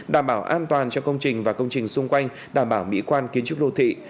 đảm bảo an toàn cho công trình và công trình xung quanh đảm bảo mỹ quan kiến trúc đô thị